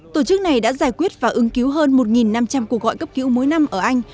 tổ chức này đã giải quyết và ứng cứu hơn một năm trăm linh cuộc gọi cấp cứu mỗi năm ở anh